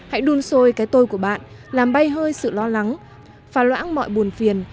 hãy đun sôi cái tôi của bạn làm bay hơi sự lo lắng phà loãng mọi bùn phiền